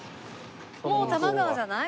もう多摩川じゃない？